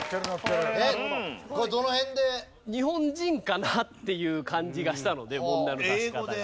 これどの辺で？っていう感じがしたので問題の出し方が。